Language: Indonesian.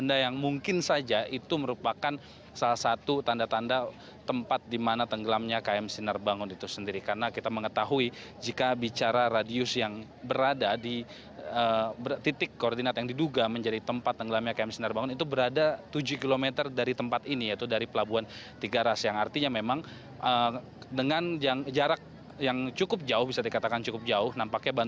agus supratman simalungun